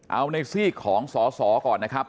เอาในซีกของสอสอก่อนนะครับ